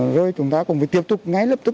rồi chúng ta cũng phải tiếp tục ngay lập tức